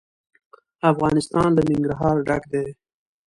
افغانستان له ننګرهار ډک دی.